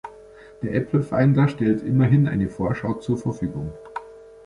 Der Apple-Finder stellt immerhin eine Vorschau zur Verfügung.